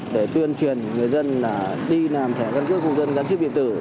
để tuyên truyền người dân là đi làm thẻ căn cước công dân gắn chip điện tử